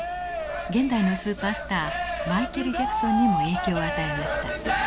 現代のスーパースターマイケル・ジャクソンにも影響を与えました。